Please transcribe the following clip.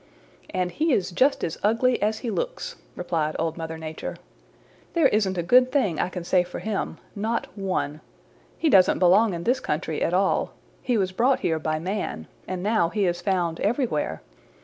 "And he is just as ugly as he looks," replied Old Mother Nature. "There isn't a good thing I can say for him, not one. He doesn't belong in this country at all. He was brought here by man, and now he is found everywhere.